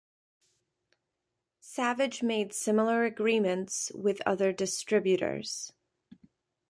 Savage made similar agreements with other distributors.